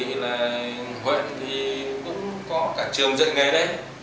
đề nghị là huyện thì cũng có cả trường dạy nghề đấy